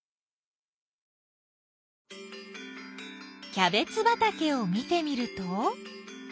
キャベツばたけを見てみると。